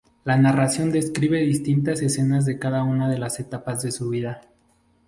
La narración describe distintas escenas de cada una de las etapas de su vida.